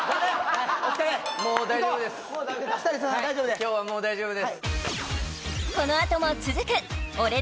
今日はもう大丈夫です